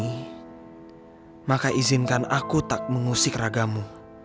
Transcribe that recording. aku mengagumi maka izinkan aku tak mengusik ragamu